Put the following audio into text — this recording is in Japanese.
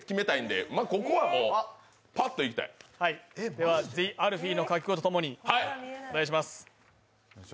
ではＴＨＥＡＬＦＥＥの掛け声とともにお願いします。